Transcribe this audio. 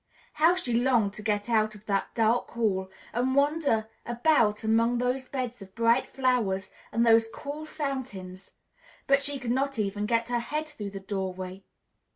How she longed to get out of that dark hall and wander about among those beds of bright flowers and those cool fountains, but she could not even get her head through the doorway.